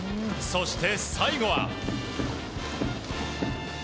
そして、最後は。